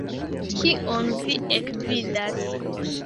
Kion vi ekvidas?